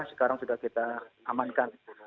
sekarang sudah kita amankan